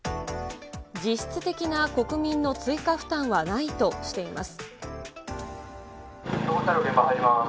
実質的な国民の追加負担はないとしています。